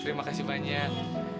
terima kasih banyak